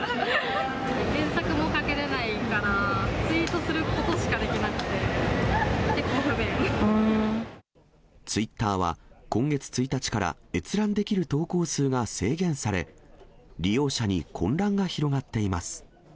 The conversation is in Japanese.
検索もかけれないから、ツイートすることしかできなくて、結構不ツイッターは、今月１日から、閲覧できる投稿数が制限され、利用者に混乱が広がっています。